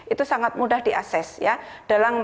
itu sangat mudah diases ya